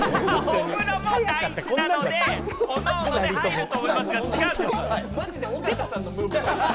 お風呂も大事なので、おのおので入ると思います。